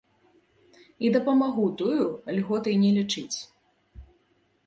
І дапамогу тую льготай не лічыць.